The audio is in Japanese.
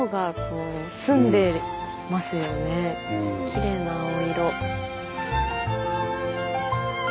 きれいな青色。